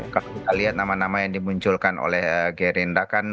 kalau kita lihat nama nama yang dimunculkan oleh gerindra kan